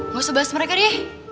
gak usah bahas mereka nih